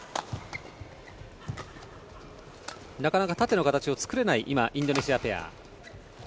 なかなか縦の形を作れないインドネシアペア。